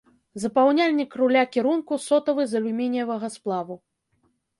Запаўняльнік руля кірунку сотавы з алюмініевага сплаву.